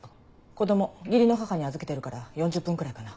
子供義理の母に預けてるから４０分くらいかな。